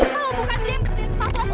kalau bukan dia yang bersihin sepatu aku